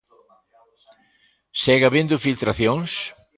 Segue habendo filtracións?